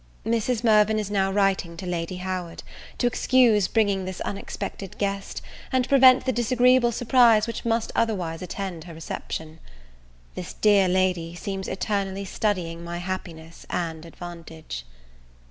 Mrs. Mirvan is now writing to Lady Howard, to excuse bringing this unexpected guest, and prevent the disagreeable surprise which must otherwise attend her reception. This dear lady seems eternally studying my happiness and advantage.